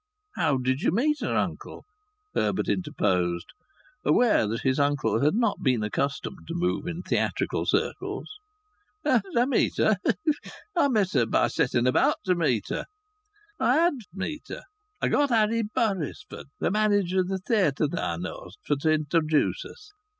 "How did you meet her, uncle?" Herbert interposed, aware that his uncle had not been accustomed to move in theatrical circles. "How did I meet her? I met her by setting about to meet her. I had for t' meet her. I got Harry Burisford, th' manager o' th' theatre thou knowst, for t' introduce us.